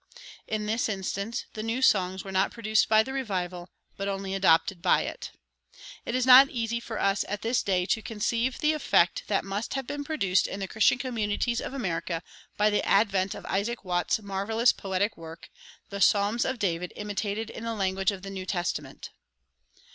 In this instance the new songs were not produced by the revival, but only adopted by it. It is not easy for us at this day to conceive the effect that must have been produced in the Christian communities of America by the advent of Isaac Watts's marvelous poetic work, "The Psalms of David Imitated in the Language of the New Testament."